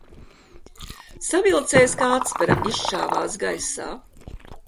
Savilcējs kā atspere izšāvās gaisā.